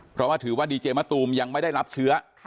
เพราะว่าถือว่าดีเจมะตูมยังไม่ได้รับเชื้อ